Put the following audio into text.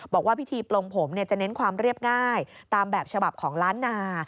บอกว่าพิธีปลงผมจะเน้นความเรียบง่ายตามแบบฉบับของล้านนา